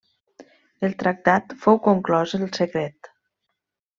El tractat fou conclòs el secret.